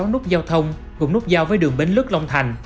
sáu nút giao thông gồm nút giao với đường bến lức long thành